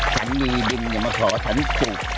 ฉันมีดิ้งอย่ามาขอฉันจุก